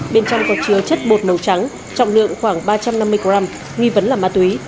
bên trong có chứa chất bột màu trắng trọng lượng khoảng ba trăm năm mươi gram nghi vấn là ma túy